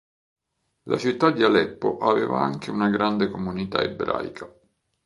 La città di Aleppo aveva anche una grande comunità ebraica.